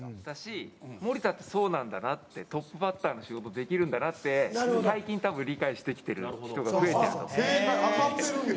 だし森田ってそうなんだなってトップバッターの仕事できるんだなって最近多分理解してきてる人が増えてると思う。